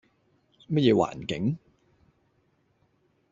乜嘢環境